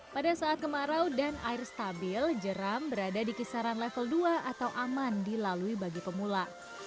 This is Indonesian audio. pada saat kemarau dan air stabil jeram berada di kisaran level dua atau aman dilalui bagi pemula